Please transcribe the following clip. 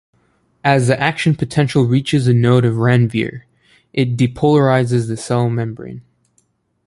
As the action potential reaches a node of Ranvier, it depolarises the cell membrane.